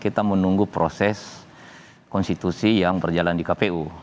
kita menunggu proses konstitusi yang berjalan di kpu